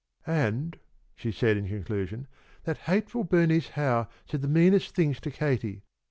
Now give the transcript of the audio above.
"And," she said, in conclusion, "that hateful Bernice Howe said the meanest things to Katie.